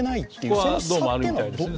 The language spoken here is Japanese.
そこはどうもあるみたいですね。